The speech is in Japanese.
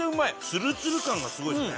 ツルツル感がすごいっすね